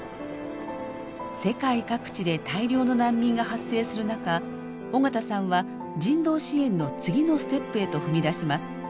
世界各地で大量の難民が発生する中緒方さんは人道支援の次のステップへと踏み出します。